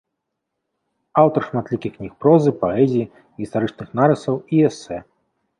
Аўтар шматлікіх кніг прозы, паэзіі, гістарычных нарысаў і эсэ.